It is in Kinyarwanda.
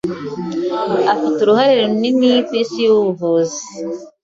Afite uruhare runini kwisi yubuvuzi.